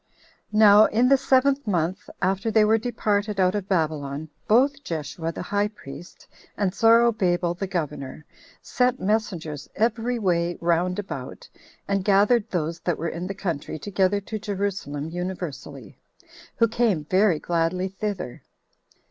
1. Now in the seventh month after they were departed out of Babylon, both Jeshua the high priest, and Zorobabel the governor, sent messengers every way round about, and gathered those that were in the country together to Jerusalem universally, who came very gladly thither.